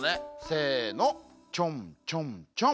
せのちょんちょんちょん。